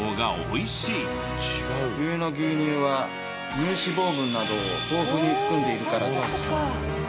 冬の牛乳は乳脂肪分などを豊富に含んでいるからです。